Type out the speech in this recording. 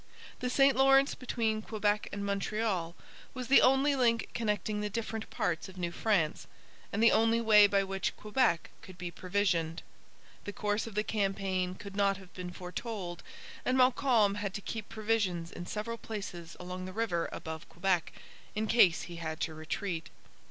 The St Lawrence between Quebec and Montreal was the only link connecting the different parts of New France, and the only way by which Quebec could be provisioned. The course of the campaign could not have been foretold; and Montcalm had to keep provisions in several places along the river above Quebec, in case he had to retreat.